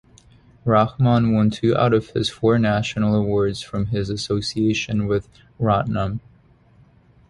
Rahman won two out of his four National Awards from his association with Ratnam.